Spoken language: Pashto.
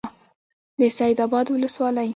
د سید آباد ولسوالۍ